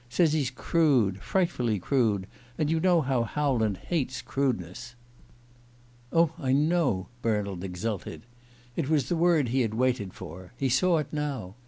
Says he's crude frightfully crude. And you know how Howland hates crudeness." "Oh, I know," Bernald exulted. It was the word he had waited for he saw it now!